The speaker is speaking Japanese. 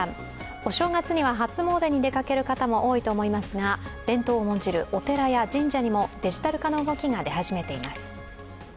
お正月には初詣に出かける人も多いと思いますが伝統を重んじるお寺や神社にもデジタル化の動きが出始めています。